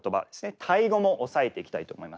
タイ語も押さえていきたいと思います。